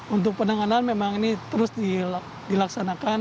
untuk penanganan memang ini terus dilaksanakan